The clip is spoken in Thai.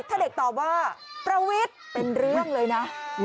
ถ้าเด็กตอบว่าประวิทย์เป็นเรื่องเลยนะ